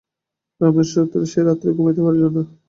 রমেশ সে রাত্রে ঘুমাইতে পারিল না।